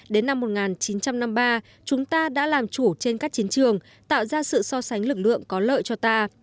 đến năm một nghìn chín trăm năm mươi ba chúng ta đã làm chủ trên các chiến trường tạo ra sự so sánh lực lượng có lợi cho ta